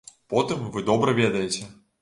Потым вы добра ведаеце.